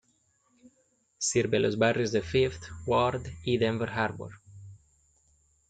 Sirve a los barrios de Fifth Ward y Denver Harbor.